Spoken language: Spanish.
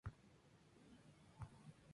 El inmueble es de estilo Belle Époque.